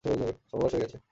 সর্বনাশ হয়ে গেছে।